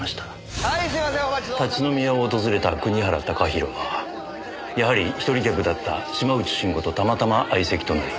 立ち飲み屋を訪れた国原貴弘はやはり一人客だった島内慎吾とたまたま相席となり。